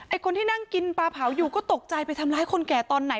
คนที่นั่งกินปลาเผาอยู่ก็ตกใจไปทำร้ายคนแก่ตอนไหน